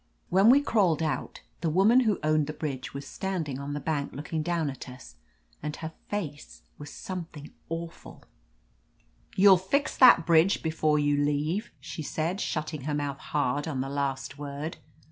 When we crawled out the woman who owned the bridge was standing on the bank looking down at us, and her face was some thing awful. 234 J OF LETITIA CARBERRY "You'll fix that bridge before you leave!*' she said, shutting her mouth hard on the last word.